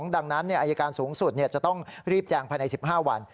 ดังนั้นอายการสูงสุดจะต้องรีบแจงภายใน๑๕วัน